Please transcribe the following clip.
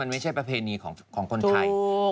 ไม่ใช่ประเพณีของคนไทย